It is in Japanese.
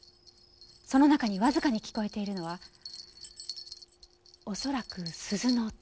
その中にわずかに聞こえているのは恐らく鈴の音。